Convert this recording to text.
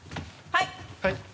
はい。